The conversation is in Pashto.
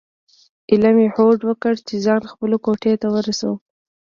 ایله مې هوډ وکړ چې ځان خپلو کوټې ته ورسوم.